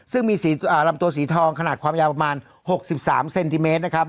ซึ่งมีลำตัวสีทองขนาดความยาวประมาณ๖๓เซนติเมตรนะครับ